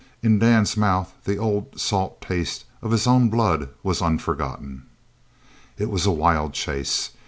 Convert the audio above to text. In Dan's mouth the old salt taste of his own blood was unforgotten. It was a wild chase.